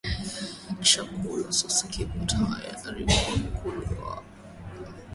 Chakula sasa kipo tayari kwa kuliwa